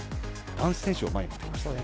男子選手を前に持ってきましたね。